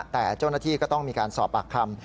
แต่เจ้าหน้าที่ก็ต้องมีการสอบปากคำ